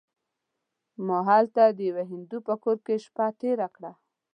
ما هلته د یوه هندو په کور کې شپه تېره کړه.